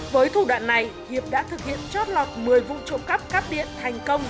với thủ đoạn này hiệp đã thực hiện chót lọt một mươi vụ trộm cắp cắp điện thành công